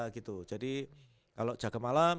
gitu jadi kalau jaga malam